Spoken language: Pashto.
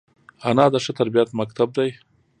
انا د ښه تربیت مکتب ده